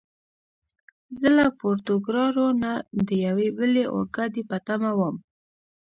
زه له پورتوګرارو نه د یوې بلې اورګاډي په تمه ووم.